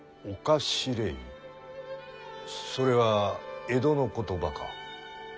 それは江戸の言葉か？